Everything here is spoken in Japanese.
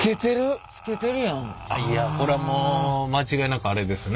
これはもう間違いなくアレですね。